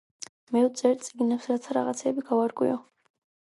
მე ვწერ წიგნებს, რათა რაღაცები გავარკვიო